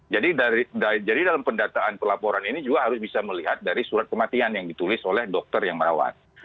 jadi dari jadi dalam pendataan pelaporan ini juga harus bisa melihat dari surat kematian yang ditulis oleh dokter yang merawat